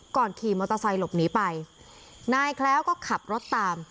ขี่มอเตอร์ไซค์หลบหนีไปนายแคล้วก็ขับรถตาม